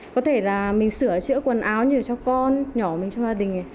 có thể là mình sửa chữa quần áo nhiều cho con nhỏ mình trong gia đình này